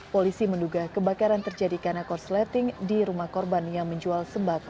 polisi menduga kebakaran terjadi karena korsleting di rumah korban yang menjual sembako